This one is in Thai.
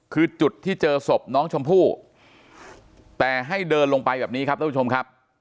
คือจุดที่เจอศพน้องชมพู่แต่ให้เดินลงไปแบบนี้ครับท่านผู้ชมครับ